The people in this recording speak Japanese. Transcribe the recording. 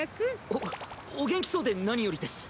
おお元気そうで何よりです。